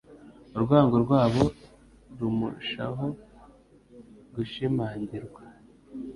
urwango rwabo rumshaho gushimangirwa.